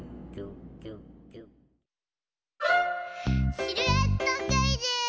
シルエットクイズ！